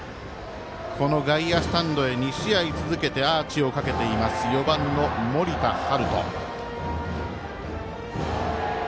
この外野スタンドへ２試合続けてアーチをかけている４番の森田大翔。